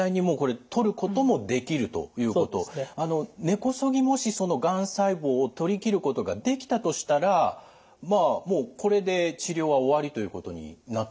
根こそぎもしがん細胞を取り切ることができたとしたらもうこれで治療は終わりということになってくるんでしょうか？